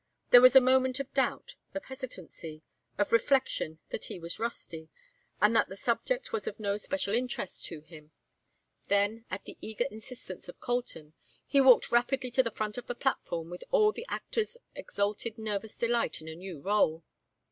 There was a moment of doubt, of hesitancy, of reflection that he was rusty, and that the subject was of no special interest to him; then, at the eager insistence of Colton, he walked rapidly to the front of the platform with all the actor's exalted nervous delight in a new rôle.